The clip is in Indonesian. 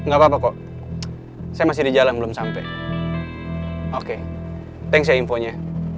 gapapa kok saya masih di jalan belum sampe oke thanks ya infonya